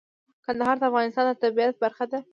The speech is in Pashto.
کندهار د افغانستان د طبیعت برخه ده.